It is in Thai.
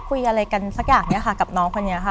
คุยอะไรกันสักอย่างนี้ค่ะกับน้องคนนี้ค่ะ